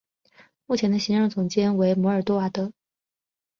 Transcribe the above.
目前的行政总监为摩尔多瓦的。